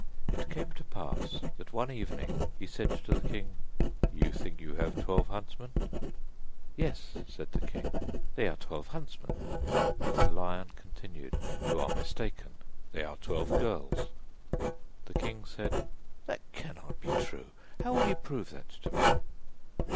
It came to pass that one evening he said to the king: 'You think you have twelve huntsmen?' 'Yes,' said the king, 'they are twelve huntsmen.' The lion continued: 'You are mistaken, they are twelve girls.' The king said: 'That cannot be true! How will you prove that to me?